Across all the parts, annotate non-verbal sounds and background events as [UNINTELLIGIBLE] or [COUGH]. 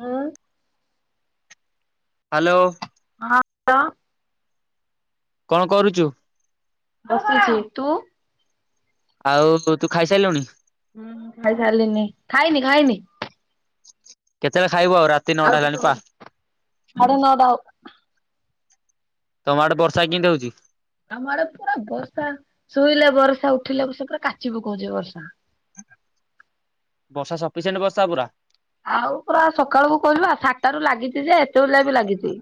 ହୁଁ ହ୍ୟାଲୋ ହଁ ହ୍ୟାଲ କଣ କରୁଛୁ? ବସିଛି ତୁ ଆଉ ତୁ ଖାଇସାରିଲୁଣି? ହୁଁ ଖାଇସାରିଲିଣି ଖାଇନି ଖାଇନି କେତେବେଳେ ଖାଇବ ଆଉ ନଅଟା ଆଉ ହେଲାଣି ଟିକେ ପା। ହୋଉ ସାଢ଼େ ନଟା ହୋଉ। ତମ ଆଡେ ବର୍ଷା କେମିତି ହଉଚି? ଆମ ଆଡେ ପୁରା ବର୍ଷା ଶୋଇଲେ ବର୍ଷା ଉଠିଲେ ବର୍ଷା ପୁରା କାଚି ପକାଉଛି ବର୍ଷା। ବର୍ଷା ସଫିସେଣ୍ଟ ବର୍ଷା ପୁରା ଆଉ ପୁରା ସକାଳକୁୁ କହିବା ସାତଟାରୁ ଲାଗିଛି ଯେ ଏତେବେଳଯାଏଁ ବି ଲାଗିଛି।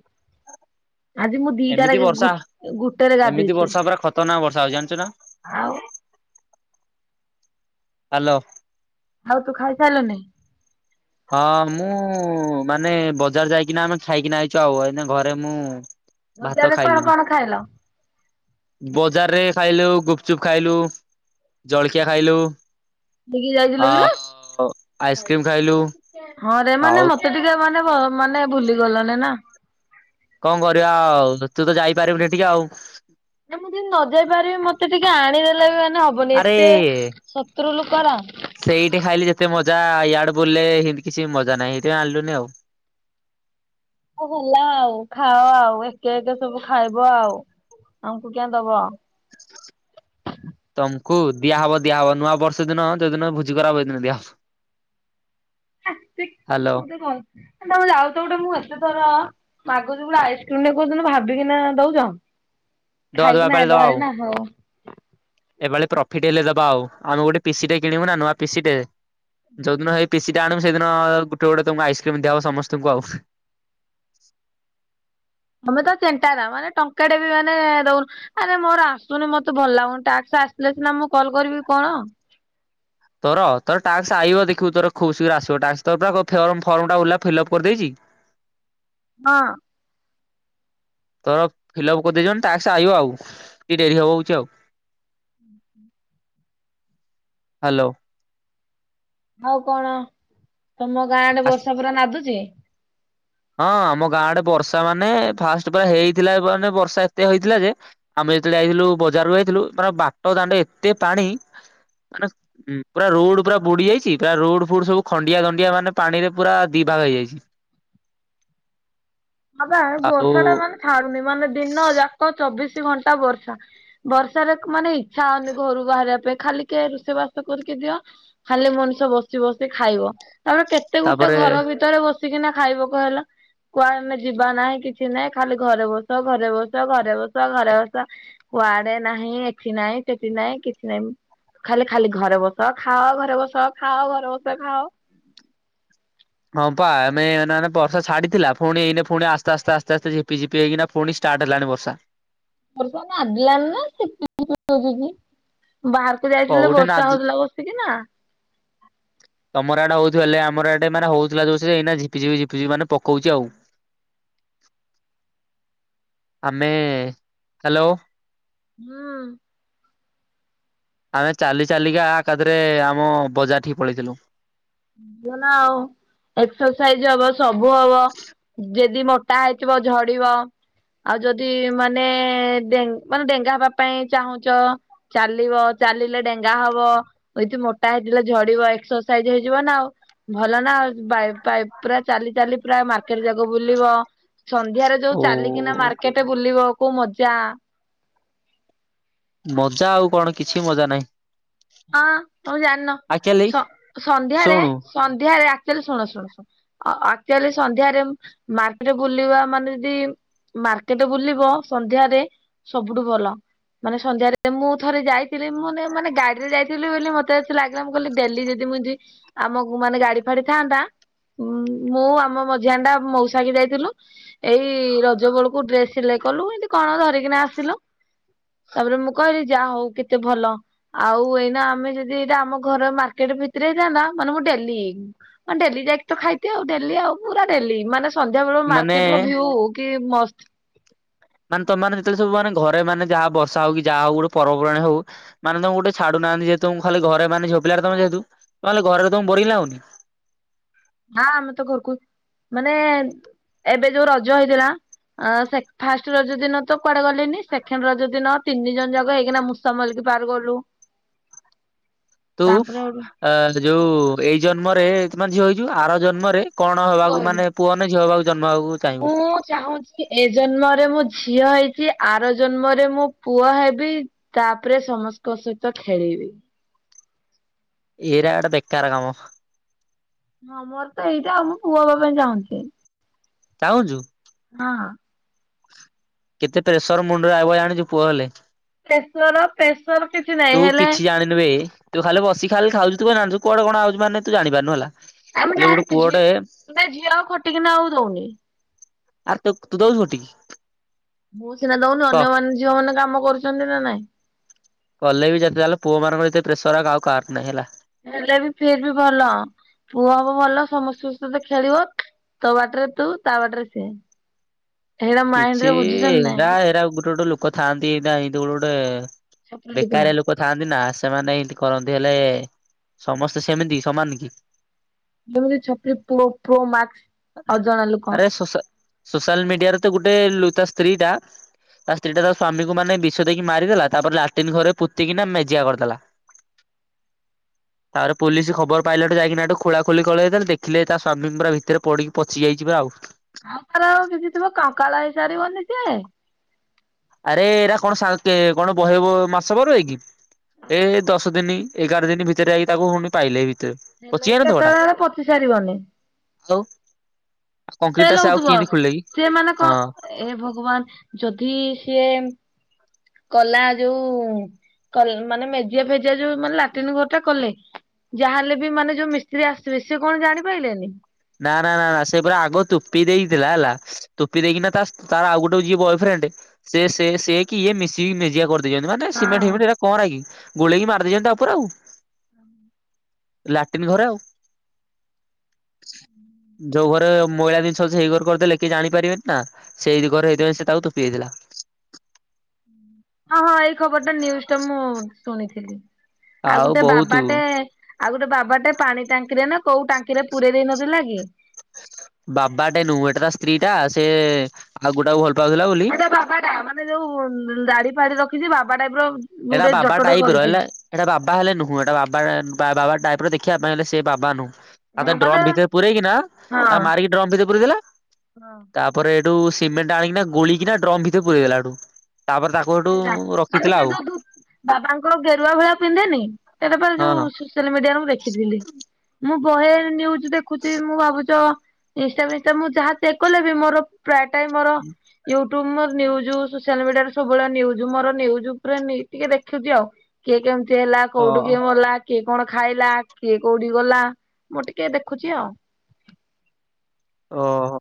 ଆଜି ମୁଁ ଏମିତି ଦିଟାରେ ବର୍ଷା ଗୁଟେରେ ଏମିତି ଗାଧେଇଛି ବର୍ଷା ପୁରା ଖତରନାକ ବର୍ଷା ହଉଛି ଜାଣିଛୁ ନା। ଆଉ। ହ୍ୟାଲୋ ହଉ ତୁ ଖାଇସାରିଲୁନି? ହଁ ମୁଁ ମାନେ ବଜାର ଯାଇକିନା ଆମେ ଖାଇକିନା ଆଇଛୁ ଆଉ। ଏଇ ଘରେ ମୁଁ ଭାତ ବଜାରରେ କଣ ଖାଇଲିଣିି କଣ ଖାଇଲ? ବଜାରରେ ଖାଇଲୁ ଗୁପଚୁପ ଖାଇଲୁ। ଜଳଖିଆ ଖାଇଲୁ ନେଇକି ଯାଇଥିଲୁ ଆ କିରେ? ଆଇସ୍କ୍ରିମ୍ ଖାଇଲୁ। ହଁରେ ମାନେ ଆଉ ମତେ ଟିକେ ମାନେ ମାନେ ଭୁଲି ଗଲଣି ନା? କଣ କରିବା ଆଉ ତୁ ତ ଯାଇପାରିବୁନି ଟିକେ ଆଉ। ମୁଁ ଯଦି ନ ଯାଇ ପାରିବି ମତେ ଟିକେ ଆଣିଦେଲେ ବି ମାନେ ନି ଏତେ ଆରେ ଶତ୍ରୁ ଲୋକ ରା ସେଇଠି ଖାଇଲି ଯେତେ ମଜା ଇଆଡେ ବୋଲଲେ ସେମିତି କିଛି ମଜା ନାହିଁ ସେଇଥିପାଇଁ ଆଣିଲୁନି ଆଉ। ହୋଉ ହେଲା ଆଉ ଖାଅ ଆଉ ଏକେ ଏକେ ସବୁ ଖାଇବ ଆଉ ଆମକୁ କିଆଁ ଦବ। [INAUDIBLE] ତମକୁ ଦିଆହବ ଦିଆହବ ନୂଆ ବର୍ଷ ଦିନ ଯୋଉଦିନ ଭୋଜି କରା ହବ ହେଇଦିନ ଦିଆହବ। ହେ [UNINTELLIGIBLE] ହାଲୋ ତମେ ଯାଉଚ ଗୋଟେ ମୁଁ ଏତେ ଥର ମାଗୁଚି ଗୋଟେ ଆଇସ୍କ୍ରିମଟେ କୋଉଦିନ ଭାବିକିନା ଦୋଉଚ। ଦବା ଦବା ଖାଇକିନା ଏପାଳି ଦବା ଆଉ। ଆଇଲଭାରି ନା ହୋଉ। ଏପାଳି ପ୍ରଫିଟ୍ ହେଲେ ଦବା ଆଉ। ଆମେ ଗୋଟେ ପିସିଟେ କିଣିବୁ ନା ନୂଆ ପିସିଟେ ଯୋଉଦିନ ହେଇ ପିସି ଟା ଆଣିବୁ ସେଦିନ ଗୋଟେ ଗୋଟେ ତମକୁ ଆଇସ୍କ୍ରିମ ଦିଆ ହବ ସମସ୍ତଙ୍କୁ ଆଉ। ତମେ ତ ଚେଣ୍ଟାରା ମାନେ ଟଙ୍କାଟେ ବି ମାନେ ଦୋଉନ। ଆରେ ମୋର ଆସୁନି ମତେ ଭଲ ଲାଗୁନି ଟାକ୍ସ ଆସିିଲେ ସିନା ମୁଁ କଲ୍ କରିବି କଣ? ତୋର ତୋର ଟାକ୍ସ ଆଇବ ଦେଖିବୁ ତୋର ଖୁବ ଶୀଘ୍ର ଆସିବ ଟାକ୍ସ ତୋର ପା ଫେରମ ଫର୍ମ ଟା ଓଲା ଫିଲ୍ଅପ କରିଦେଇଚି। ହଁ। ତୋର ଫିଲଅପ୍ କରିଦେଇଚନ୍ତି ଟାକ୍ସ ଆଇବ ଆଉ ଟିକେ ଡେରି ହବ ହୋଉଚି ଆଉ। ହୁଁ ହୁଁ [INAUDIBLE] ହାଲୋ। ଆଉ କଣ ତମ ଗାଁଡେ ଆସି ବର୍ଷା ପୁରା ନାଦୁଚି। ହଁ ଆମ ଗାଁଡେ ବର୍ଷା ମାନେ ଫାଷ୍ଟ ପୁରା ହେଇଥିଲା ମାନେ ବର୍ଷା ଏତେ ହେଇଥିଲା ଯେ - ଆମେ ଯେତେବେଳେ ଯାଇଥିଲୁ ବଜାରରୁ ଯାଇଥିଲୁ ମାନ ବାଟ ଦାଣ୍ଡ ଏତେ ପାଣି ମାନେ - ହୁଁ ପୁରା ରୋଡ ପୁରା ବୁଡି ଯାଇଚି ପୁରା ରୋଡ ଫୁଡ ସବୁ ଖଣ୍ଡିଆ ଖଣ୍ଡିଆ ମାନେ ପାଣିରେ ପୁରା ଦିି ଭାଗ ହେଇଯାଇଚି। ହଁ ପା ଏ ଆଉ ବର୍ଷାଟା ମାନେ ଛାଡୁନି ମାନେ ଦିନ ଯାକ ଚବିଶି ଘଣ୍ଟା ବର୍ଷା। ବର୍ଷାରେ ମାନେ ଇ - ଚ୍ଛା ହୋଉନି ଘରୁ ବାହାରିବା ପାଇଁ ଖାଲି କିଏ ରୋଷେଇ ବାସ କରିକି ଦିଅ। ଖାଲି ମଣିଷ ବସି ବସି ଖାଇବ ନହେଲେ କେ ତେ ଗୋଟେ ତାପରେ ଘର ଭିତରେ ବସିକିନା ଖାଇବ କହିଲ କୁଆଡେ ମେଡି ଯିବା ନାହିଁ କିଛି ନାଇଁ। ଖାଲି ଘରେ ବସ ଘରେ ବସ ଘରେ ବସ ଘରେ ବସ। କୁଆଡେ ନାହିଁ ଏଠି ନାହିଁ ସେଠି ନାହିଁ କିଛି ନାହିଁ। ଖାଲି ଖାଲି ଘରେ ବସ ଖାଅ ଘରେ ବସ ଖାଅ ଘରେ ବସ ଖାଅ। ହଁ ପା ଆମେ ଏନା ନା ବର୍ଷ ଛାଡିଥିଲା ପୁଣି ଏଇନେ ପୁଣି ଆସ୍ତେ ଆସ୍ତେ ଆସ୍ତେ ଆସ୍ତେ ଝିପିଝପି ହେଇକିନା ପୁଣି ଷ୍ଟାର୍ଟ ହେଲାଣି ବର୍ଷା। ବର୍ଷା ନାଦିଲାଣି ନା [UNINTELLIGIBLE] ବାହାରକୁ ଯାଇଥିଲେ କୋଉଠି ବର୍ଷା ନାଦୁ ହୋଉଥିଲା କ ସିକିନା। ତମର ଆଡେ ହୋଉଚି ବୋଲି। ଆମର ଏଠି ମାନେ ହୋଉଥିଲା ଯୋରସେ ଯେ ଏଇନା ଝିପି ଝିପି ଝିପି ମାନେ ପକୋଉଚି ଆଉ। ଆମେ ହାଲୋ। ହୁଁ। ଆମେ ଚାଲି ଚାଲିକା ଆ ଏକାଥରେ ଆମ ବଜାର ଠିକି ପଳେଇଥିଲୁ। ଭଲନା ଆଉ। ଏକ୍ସରସାଇଜି ହବ ସବୁ ହବ ଯଦି ମୋଟା ହେଇଥିବ ଝଡିବ। ଆଉ ଯଦି ମାନେ ଡେ ମାନେ ଡେଙ୍ଗା ହବା ପାଇଁ ଚାହୁଁଚ। ଚାଲିବ ଚାଲିଲେ ଡେଙ୍ଗା ହବ। ଉଇଥି ମୋଟା ହେଇଥିଲେ ଝଡିବ ଏକ୍ସରସାଇଜି ହେଇ ଯିବ ନା ଆଉ ଭଲ ନା ଆଉ [UNINTELLIGIBLE] ପୁରା ଚାଲି ଚାଲି ପୁରା ମାର୍କେଟ ଯାକ ବୁଲିବ। ସନ୍ଧ୍ୟାରେ ଯୋଉ ଓ ଚାଲିକିନା ମାର୍କେଟ ବୁଲିବ କୋଉ ମଜା। ମଜା ଆଉ କଣ କିଛି ମଜା ନାହିଁ। ହଁ ତମେ ଜାଣିନ ଆକ୍ଚୁଆଲି ସନ୍ଧ୍ୟାରେ ଶୁଣୁ ସନ୍ଧ୍ୟାରେ ଆକଚ୍ୟୁଲି ଶୁଣ ଶୁଣ ଶୁଣ। ଆ-ଆକଚ୍ୟୁଲି ସନ୍ଧ୍ୟାରେ ମାର୍କଟେ ବୁଲିବା ମାନେ ଯଦି ମାର୍କେଟ ବୁଲିବ ସନ୍ଧ୍ୟାରେ ସବୁଠୁ ଭଲ। ମାନେ ସନ୍ଧ୍ୟାରେ ମୁଁ ଥରେ ଯାଇଥିଲି। ମୁଁ ମାନେ ଗା ଡିରେ ଯାଇଥିଲି ବୋଲି ମତେ ଏମିତି ଲାଗିଲା ମୁଁ କହିଲି ଡେଲି ଯଦି ମୁଁ ଏମିତି ଆମକୁ ମାନେ ଗାଡି ଫାଡି ଥାନ୍ତା ମୁଁ ଆମ ମଝିଆଁଣିଟା ମଉଷାକି ଯାଇଥିଲୁ। ଏଇ ରଜ ବେଳକୁ ଡ୍ରେସ୍ ସିଲେଇ କଲୁ ଏମିତି କଣ ଧରିକିନା ଆସିଲୁ। ତାପରେ ମୁଁ କହିଲି ଯାହା ହୋଉ କେତେ ଭଲ। ଆଉ ଏଇନା ଆମେ ଯଦି ଏଇଟା ଆମ ଘର ମାର୍କେଟ ଭିତରେ ହେଇଥାନ୍ତା ମାନେ ମୁଁ ଡେଲି ଆଁ ଡେଲି ଯାଇକି ତ ଖାଇତେ ଆଉ ଡେଲି ଆଉ ପୁରା ଡେଲି ମାନେ ସନ୍ଧ୍ୟାବୋଳୋ ମାନେ ମାର୍କେଟର ଭୀୟୁ କି ମସ୍ତ୍। ମାନେ ତମେ ଯେତୋବୋଳେ ସବୁ ମାନେ ଘରେ ମାନେ ଯହା ବର୍ଷା ହୋଉ କି ଯାହା ହୋଉ ଗୋଟେ ପର୍ବପର୍ବାଣୀ ହୋଉ ମାନେ ତମକୁ ଗୁଟେ ଛାଡୁନାହାନ୍ତି ଯେହେତୁ ଉଁ ଖାଲି ଘରେ ମାନେ ଝିଅ ପିଲାଟେ ତମେ ଯେହେତୁ ତମେ ଖାଲି ଘରେ ରୋହୁ ତମକୁ ବୋରିଙ୍ଗି ଲାଗୁନି। ନାଁ ଆମେ ତ ଘରୁକୁ ମାନେ ଏବେ ଯୋଉ ରଜ ହେଇଥିଲା ଆଁ ସେ ଫାଷ୍ଟ ରଜ ଦିନ ତ କୁଆଡେ ଗଲେନି ସେକେଣ୍ଡ ରଜ ଦିନ ତିନି ଜଣ ଯାକ ହେଇକିନା ମୁସ୍ [UNINTELLIGIBLE] ଗଲୁ। [INAUDIBLE] ତୁ ତାପରେ ଅଁ ଯୋଉ ଏଇ ଜନ୍ମରେ ତୁ ମାନେ ଝିଅ ହେଇଚୁ ଆର ଜନ୍ମରେ କଣ ପୁଅ ହବାକୁ ହେବେ ମାନେ ପୁଅ ନା ଝିଅ ହବାକୁ ଜନ୍ମ ହବାକୁ ଚାହିଁବୁ ମୁଁ ଚାହୁଁଛି ଏ ଜନ୍ମରେ ମୁଁ ଝିଅ ହେଇଚି ଆର ଜନ୍ମରେ ମୁଁ ପୁଅ ହେବି। ତାପେରେ ସମଙ୍କ ସହିତ ଖେଳିବି। ଏରା ଗୋଟେ ବେକାର କାମ। ହଁ ମୋରୋ ତ ଏଇଡ଼ା ଆଉ, ମୁଁ ପୁଅ ହବା ପାଇଁ ଚାହୁଁଛି। ଚାହୁଁଚୁ। ହଁ ହଁ। କେତେ ପ୍ରେସର ମୁଣ୍ଡ ରେ ଆଇବ ଜାଣିଚୁ ପୁଅ ହେଲେ ପ୍ରେସର ପ୍ରେସର କିଛି ନାହିଁ ହେଲେ ଲେ ବି ତୁ ଖାଲି ବସିକି ଖାଲି ଖାଉଚୁ ତୁ କଣ ଜାଣିଚୁ କୁଆଡ଼େ କଣ ଆଉଚି ମାନେ ତୁ ଜାଣିପାରୁନୁ ହେଲା। ଆରେ ମୁଁ ହେଲେ ଗୋଟେ ଜାଣିଚି ଝି ପୁଅଟେ ନାଇଁ ଝିଅ ଆଉ ଖଟିକିନା ଆଉ ଦୋଉନି। ଆଉ ତ ତୁ [UNINTELLIGIBLE] ମୁଁ ସିନା ଦୋଉନି କହ ଅନ୍ୟ ମାନେ ଝିଅ ମାନେ କାମ କରୁଚନ୍ତି ନା ନାଇଁ। କଲେ ବି ଯତେ ଯାହାଲେ ପୁଅ ମାନଙ୍କର ଯେତେ ପ୍ରେସର ଆଉ କାହା କାହାର ନାହିଁ ହେଲା। ହେଲେ ବି ଫିର୍ ବି ଭଲ। ପୁଅ ହବ ଭଲ ସମସ୍ତଙ୍କ ସହିତ ଖେଳିବ ତୋ ବାଟରେ ତୁ ତା ବାଟରେ ସିଏ। [INAUDIBLE] ହେଇଟା ମାଇଣ୍ଡ କିଛି ରେ ବୁଝୁଛନ୍ତି ଏରା ନାଇଁ ହେରା ଗୁଟେ ଗୋଟେ ଲୋକୋ ଥାଆନ୍ତି ଏଡ଼ା ଏନ୍ତି ଗୋଟେ ଗୋଟେ ଛୋଟ ଲୋକରା। ବେକାରିଆ ଲୋ କୋ ଥାନ୍ତି ନା ସେମାନେ ଇନ୍ତି କରନ୍ତି ହେଲେ ସମସ୍ତେ ସେମିତି ସମାନ କି? ଯେମିତି ଛପ୍ରୀ ପ୍ରୋ ପ୍ରୋ ମାକ୍ସ ଅଜଣା ଲୋକୋ। ସୋସାଲ୍ ମିଡ଼ିଆରେ ତ ଗୋଟେ [UNINTELLIGIBLE] ତା ସ୍ତ୍ରୀ ଟା ତା ସ୍ତ୍ରୀ ଟା ତା ସ୍ଵାମୀକୁ ମାନେ ବିଷ ଦେଇକି ମାରିଦେଲା ତାପରେ ଲାଟିନ୍ ଘରେ ପୁତିକିନା ମେଜିଆ କରିଦେଲା। [INAUDIBLE] ତାପରେ ପୋଲିସି ଖବର ପାଇଲାଠୁ ଯାଇକିନା ହେଠୁ ଖୋଳାଖୋଲି କଲେ ଯେତେବେଳେ ଦେଖିଲେ ତା ସ୍ଵାମୀ ପୁରା ଭିତରେ ପଡିକି ପଚି ଯାଇଛି ପରା ଆଉ ଆମର ଆଉ କିଛି ଥିବ କଙ୍କାଳ ହେଇସାରିବନି ସିଏ। ଆରେ ଏରା କଣ ସା ତେ କଣ ବହେ ବ ମାସ [UNINTELLIGIBLE] ଏ ଦଶ ଦିନି ଏଗାର ଦିନି ଭିତରେ ଯାଇକି ତାକୁ ଫୁଣି ପାଇଲେ ଏଇ ଭିତରେ ପଚି ହେଲେ ବି ଯାଇନଥିବ ଏତେ ଟା [UNINTELLIGIBLE] ପଚି ସାରିବନି। ଆଉ। କଂକ୍ରିଟ ଟା ସ୍ମେଲ୍ ସେ ଆଉ ହୋଉଥୁବ କେମିତି ଖୋଲିଲେ କି? ସିଏ ମାନେ କଁ ହଁ ଏ ଭଗବାନ ଯଦି ସିଏ କଲା ଯୋଉ କଲ୍ ମାନେ ମେଜିଆ ଫେଜିଆ ଯୋଉ ମାନେ ଲାଟିନ୍ ଘର ଟା କଲେ ଯାହା ହେଲେ ବି ମାନେ ଯୋଉ ମିସ୍ତ୍ରୀ ଆସିବେ ସିଏ କଣ ଜାଣିପାଇଲେନି। ନାଁ ନାଁ ନାଁ ନାଁ ସେ ପୁରା ଆଗ ତୁପି ଦେଇଥିଲା ହେଲା। ତୋପି ଦେଇକିନା ତା ତାର ଆଉ ଗୋଟେ ଯିଏ ବଏଫ୍ରେଣ୍ଡ୍ ସେ ସେ ସେଏ କି ଇଏ ମିଶିକି ମେଜିଆ କର ଦେଇଚନ୍ତି ମାନେ ସିମେଣ୍ଟେ ହଁ। ଫିମେଣ୍ଟେ ଏରା କଁରା କି ଗୋଳେଇକି ମାରିଦେଇଚନ୍ତି ତା ଓପୋରେ ଆଉ [UNINTELLIGIBLE] ଲାଟିନ୍ ଘରେ ଆଉ। ଯୋଉ ଘରେ ମଇଳା ଦିନ୍ସ ସେଇ ଘରୁ କରିଦେଲେ କିଏ ଜାଣି ପାରିବେନି ନା [UNINTELLIGIBLE] ହେଇଥିପାଇଁ ସିଏ ତାକୁ ତୁପି ଦେଇଥିଲା। ହଁ ହଁ ଏଇ ଖବର ଟା ନିୟୁଜ୍ ଟା ମୁଁ ଶୁଣିଥିଲି। ଆଉ ଗୁଟେ ବାବାଟେ ଆଉ ଗୁଟେ ବାବାଟେ ପାଣି ଟାଙ୍କି ରେ ନା କୋଉ ଟାଙ୍କିରେ ପୁରେଇ ଦେଇ ନଥିଲା କି? ବାବାଟେ ନୁଁ ଏଟା ତା ସ୍ତ୍ରୀ ଟା, ସେ ଆଉ ଗୋଟାକୁ ଭଲ ପାଉଥିଲା ବୋଲି ସେଟା ବାବା ଟା ମାନେ ଯୋଉ ଦାଢ଼ି ଫାଡ଼ି ରଖିଛି, ବାବା ଟାଇପ୍ ର ଗୁଟେ ଜଟଟେ କରିଛି। ହେଟା ବାବା ହେଲେ ନୁହୁଁ, ଏଇଟା ବାବା ବାବା ଟାଇପରେ ଦେଖିବା ପାଇଁ ହେଲେ ସେ ବାବା ନୁହୁଁ। ଆଉ ହଁ ତାକୁ ମାନେ ଡ୍ରମ୍ ଭିତରେ ପୁରେଇକି ନା ତାକୁ ହଁ ମାରିକି ଡ୍ରମ୍ ଭିତରେ ପୁରେଇ ଦେଲା, ତା ପରେ ହେଟୁ ସିମେଣ୍ଟ ଆଣିକିନା ଗୋଳେଇକିନା ଡ୍ରମ୍ ଭିତରେ ପୁରେଇ ଦେଲା ହେଠୁ, ତାପରେ ତା କୁ ହେଠୁ ରଖିଥିଲା ଆଉ। ବାବାଙ୍କ ଗେରୁଆ ଭଳିଆ ପିନ୍ଧେନି, ସେଟା ପା ହଁ। ଯୋଉ ସୋସିଆଲ ମିଡିଆରେ ମୁଁ ଦେଖିଥିଲି। ମୁଁ ବହେ ନିଉଜ ଦେଖୁଛି, ମୁଁ ଭାବୁଚ ଇନ୍ ଷ୍ଟା ଫିନ୍ ଷ୍ଟା ମୁଁ ଯାହା ସେ କଲେ ବି ମୋର ପ୍ରାୟଟା ମୋର ୟୁଟୁବ ମୋର ନିଉଜୁ ସୋସିଆଲ ମିଡିଆରେ ସବୁବେଳେ ନିଉଜ୍, ମୋର ନିଉଜ୍‌ ଉପରେ ନି ଟିକେ ଦେଖୁଛି ଆଉ। କିଏ କେମ୍ ତି ହେଲା ହଁ କୋଉଠୁ କିଏ ମଲା। କିଏ କଣ ଖାଇଲା କିଏ କୋଉଠି ଗଲା ମୁଁ ଟିକେ ଦେଖୁଛି ଆଉ। ଓହୋ।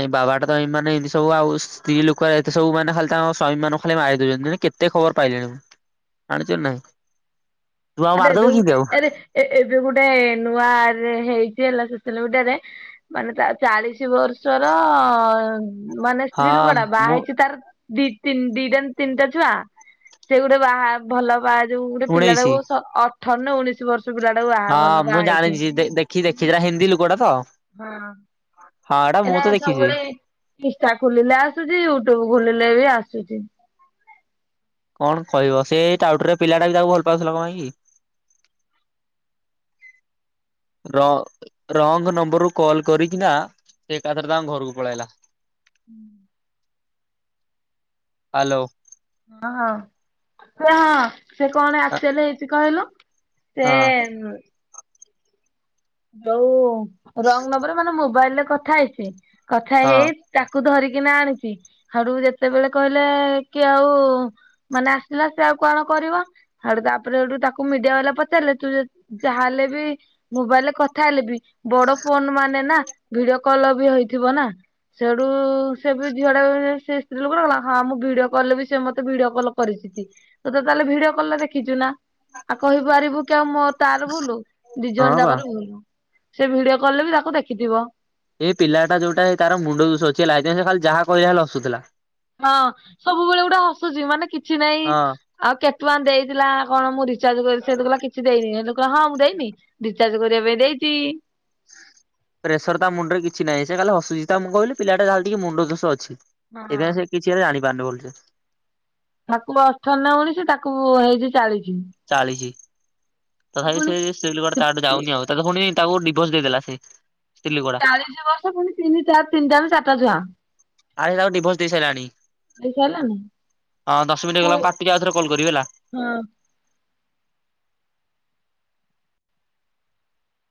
ଏଇ ବାବାଟା ତ ଏଇ ମାନେ ଏମିତି ସବୁ ଆଉ ସ୍ତ୍ରୀ ଲୋକ ଏତେ ସବୁ ମାନେ ଖାଲି ତାଙ୍କ ସ୍ଵାମୀ ମନଙ୍କୁ ଖାଲି ମାରି ଦଉଛନ୍ତି ମାନେ କେ ଏତେ ଖବର ପାଇଲିଣି ମୁଁ ଆଣିଛ ନାହିଁ ତୁ ଆଉ ଆରେ ଏବେ ମାରିଦବୁ କିଇଁତି ଆଉ। ଆରେ ଏ ଏବେ ଗୋଟେ ନୂଆ ରେ ହେଇଛି ହେଲା ସୋସିଆଲ ମିଡିଆରେ ମାନେ ତା ଚାଳିଶି ବର୍ଷର ମାନେ ସ୍ତ୍ରୀ ଲୁକଟା ହଁ ବାହା ମୁଁ ହେଇଚି ତାର ଦି ଦିଇଟାନା ତିନିଟା ଛୁଆ ସେ ଗୋଟେ ବାହା ଭଲ ବାହା ଯୋଉ ଗୋଟେ ଉଣେଇଶି ପିଲାଟାକୁ ଅ ଅଠନ ଉଣିଶି ବର୍ଷ ବି ରା ହଁ ମୁଁ ଜାଣିଚି ଦେଖି ଦେଖିଥିଲା ହିନ୍ଦୀ ଲୋକଟା ତ। ହଁ ଏଟା ଏଇନା ମୁଁ ତ ଦେଖିଚି। ସବୁବେଳେ ଇନଷ୍ଟା ଖୋଲିଲେ ଆସୁଚି ୟୁଟ୍ୟୁବୁ ଖୋଲିଲେ ବି ଆସୁଚି। କଣ କହିବ ସେଇ ଟାଉଟର୍ ପିଲାଟା ବି ତାକୁ ଭଲ ପାଉଥିଲା କଣ ପାଇଁ କି? ର ରଙ୍ଗ ନମ୍ବରରୁ କଲ କରିକିନା। ସେ ଏକାଥରେ ତାଙ୍କ ଘରକୁ ପଳେଇ ଆଇଲା। ହୁଁ। ହାଲୋ। ହଁ ହଁ ସେ ହଁ ସେ କଣ ଆକ୍ଚୁଆଲି ହେଇଛି କହିଲୁ? ସେ ହଁ ଉଁ। ଯୋଉ ରଙ୍ଗ ନବର ମାନେ ମୋବାଇଲରେ କଥା ହେଇଚି କଥା ହେଇଚି କଥା ହଁ ହେଇ ହେଇ ତାକୁ ଧରିକିନା ଆଣିଚି ଆଡୁ ଯେତେବେଳେ କହିଲେ କି ଆଉ ମାନେ ଆସିଲା ସେ ଆଉ କଣ କରିବ। ଆଡୁ ତାପରେ ହେଠୁ ତାକୁ ମିଡିଆ ବାଲା ପଚାରିଲେ ତୁ ଯ ଯାହାଲେ ବି ମୋବାଇଲେ କଥା ହେଲେ ବି ବଡ ଫୋନ ମାନେ ନା ଭିଡିଓ କଲ ବି ହେଇଥିବ ନା। ସେଇଠୁ ସେ ବି ଝିଅ ଟା ସେ ସ୍ତ୍ରୀ ଲୋକଟା କହିଲା ହଁ ମୁଁ ଭିଡିଓ କଲରେ ବି ସେ ମତେ ଭିଡିଓ କଲ କରିଚନ୍ତି। ତୁ ତତ ତାହେଲେ ଭିଡିଓ କଲଲେ ଦେଖିଛୁ ନା? ଆଉ କହିପାରିବୁ କି ଆଉ ମୋ ତାର ଭୁଲୁ ଦିଇ ହଁ ଜଣ ବା ଜାଙ୍କର ଭୂଲ। ସେ ଭିଡିଓ କଲରେ ବି ତାକୁ ଦେଖିଥିବ। ଏଇ ପିଲାଟା ଯୋଉଟାଏ ତାର ମୁଣ୍ଡ ଦୁଷଅଛି ହେଲା ହେଇଥିପାଇଁ ସେ ଖାଲି ଯାହା କହିଲେ ଖାଲି ହସୁଥିଲା। ହଁ ସବୁବଳେ ଗୋଟେ ହସୁଚି ମାନେ କିଛିନାଇଁ। ହଁ। ଆଉ କେତଟଙ୍କା ଦେଇଥିଲା କଣ ମୁଁ ରିଚାର୍ଜ କରିି ସେତ କହିଲା କିଛି ଦେଇନି ହେଠୁ କହିଲା ହଁ ମୁଁ ଦେଇନି। ରିଚାର୍ଜ କରିବା ପାଇଁ ଦେଇଚି। ପ୍ରେସର ତା ମୁଣ୍ଡରେ କିଛି ନାଇଁ ସେ ଖାଲି ହସୁଚି ତା ମୁଁ କହିଲି ପିଲାଟା ଯାହାହେଲେ ଟିକେ ମୁଣ୍ଡଦୋଷ ଅଛି ହଁ। ସେଇଥିପାଇଁ ସେ କି ଚି ହେଲେ ଜାଣିପାରନି ଭଲସେ। ତାକୁ ଅଠର ନା ଉଣିସି ତାକୁ ହେଇଚି ଚାଳିସି। ଚାଳିସି। ତ ଭାଇ ସେଇ ସ୍ତ୍ରୀ ଲୁକଟା ତାଆଡେ ଯାଉନି ଆଉ ତାର ତ ହଉନି ତାକୁ ଡିଭର୍ସ ଦେଇଦେଲା ସେ ସ୍ତ୍ରୀଲୁକ। ହେଇଚି ବର୍ଷ ପୁଣି ତିନି ଚାର ତିନଟାରୁ ଚାରଟା ଛୁଆ। ଆଇଲାକୁ ଡିଭର୍ସ ଦେଇ ସାଇଲାଣି। ଖାଇ ସାରଲାଣିି। ହଁ ଦଶମିଣ୍ଟି ହେଇଗଲା ମୁଁ କାଟିକି ଆଉଥରେ କଲ କରିବି ହେଲା। ହଁ।